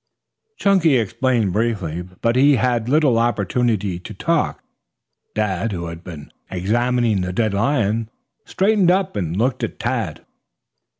Chunky explained briefly. But he had little opportunity to talk. Dad, who had been examining the dead lion, straightened up and looked at Tad.